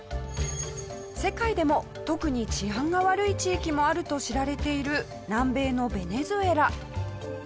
世界でも特に治安が悪い地域もあると知られている南米のベネズエラ。